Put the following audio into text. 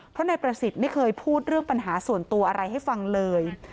เพราะนายประสิทธิ์ไม่เคยพูดเรื่องปัญหาส่วนตัวอะไรให้ฟังเลย